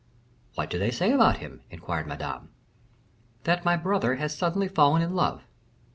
"What do they say about him?" inquired Madame. "That my brother has suddenly fallen in love."